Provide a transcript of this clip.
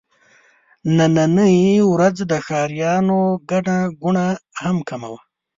نننۍ ورځ د ښاريانو ګڼه ګوڼه هم کمه وه.